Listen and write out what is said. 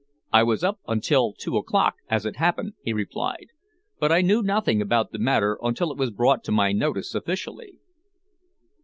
"I was up until two o'clock, as it happened," he replied, "but I knew nothing about the matter until it was brought to my notice officially."